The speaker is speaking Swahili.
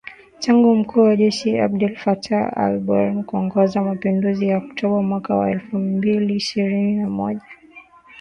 tangu mkuu wa jeshi Abdel Fattah al-Burhan kuongoza mapinduzi yaOKtoba mwaka wa elfu mbiliishirini na moja.